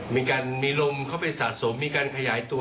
มีการมีลมเข้าไปสะสมมีการขยายตัว